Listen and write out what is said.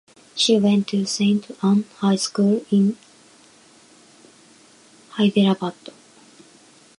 She went to Saint Anns High school in Hyderabad.